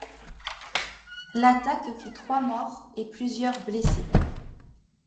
L’attaque fit trois morts et plusieurs blessés.